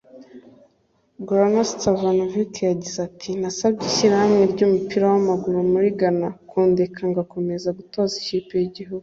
Goran Stevanovic yagize ati “Nasabye ishyirahamwe ry’umupira w’amaguru muri Ghana kundeka ngakomeza gutoza ikipe y’igihugu